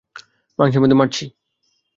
মাংসের মধ্যে মারছি।